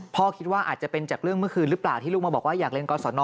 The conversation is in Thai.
คิดว่าอาจจะเป็นจากเรื่องเมื่อคืนหรือเปล่าที่ลูกมาบอกว่าอยากเรียนกศน